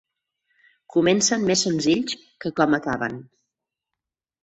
Comencen més senzills que com acaben.